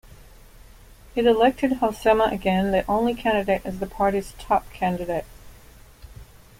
It elected Halsema, again the only candidate, as the party's top candidate.